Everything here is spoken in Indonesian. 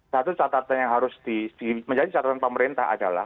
satu catatan yang harus menjadi catatan pemerintah adalah